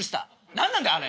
何なんだあれ。